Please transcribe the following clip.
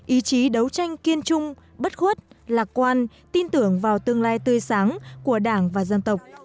ý chí đấu tranh kiên trung bất khuất lạc quan tin tưởng vào tương lai tươi sáng của đảng và dân tộc